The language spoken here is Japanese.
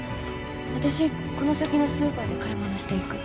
わたしこの先のスーパーで買い物していく。